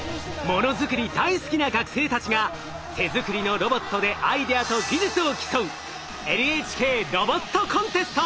ものづくり大好きな学生たちが手作りのロボットでアイデアと技術を競う「ＮＨＫロボットコンテスト」。